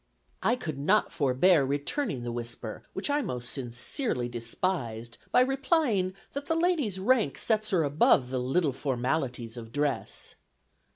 I could not forbear returning the whisper, which I most sincerely despised, by replying that the lady's rank sets her above the little formalities of dress.